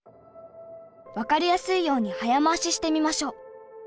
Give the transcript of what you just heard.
分かりやすいように早回ししてみましょう。